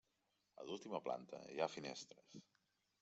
A l'última planta hi ha finestres.